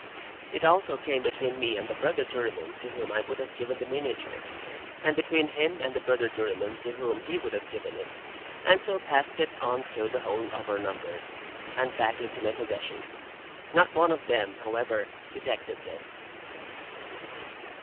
It also came between me and the brother juryman to whom I would have given the miniature, and between him and the brother juryman to whom he would have given it, and so passed it on through the whole of our number, and back into my possession. Not one of them, however, detected this.